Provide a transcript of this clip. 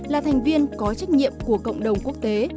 là thành viên có trách nhiệm của cộng đồng quốc tế